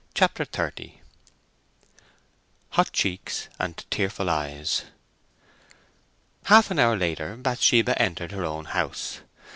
CHAPTER XXX HOT CHEEKS AND TEARFUL EYES Half an hour later Bathsheba entered her own house.